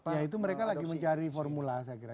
ya itu mereka lagi mencari formula saya kira